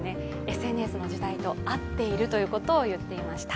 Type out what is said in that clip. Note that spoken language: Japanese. ＳＮＳの時代と合っていると言っていました。